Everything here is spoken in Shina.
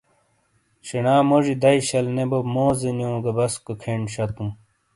شینا موجی دئیی شل نے بو موزینیو گہ بسکو کھین شتوں۔